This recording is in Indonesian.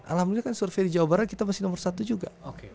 alhamdulillah kan survei di jawa barat kita masih nomor satu juga